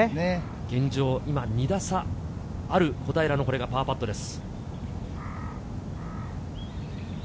現状、２打差ある小平のパーパットです。